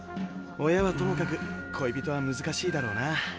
親はともかく恋人は難しいだろうな。